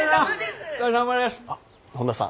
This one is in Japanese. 本田さん